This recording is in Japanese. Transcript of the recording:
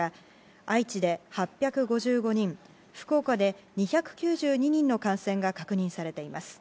愛知で８５５人福岡で２９２人の感染が確認されています。